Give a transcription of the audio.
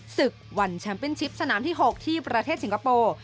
ศึกวันแชมป์เป็นชิปสนามที่๖ที่ประเทศสิงคโปร์